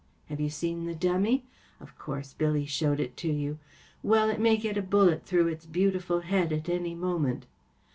Have you seen the dummy ? Of course, Billy showed it to you. Well, it may get a bullet through its beautiful head at any moment.